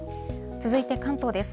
続いて関東です。